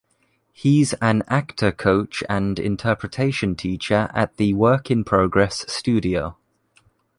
He’s an actor coach and an interpretation teacher at the Work in Progress studio.